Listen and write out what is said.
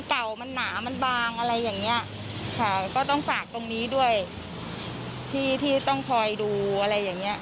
ค่ะก็ต้องฝากตรงนี้ด้วยที่ต้องคอยดูอะไรอย่างนี้